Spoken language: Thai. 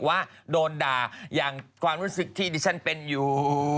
ว่าโดนด่าอย่างความรู้สึกที่ดิฉันเป็นอยู่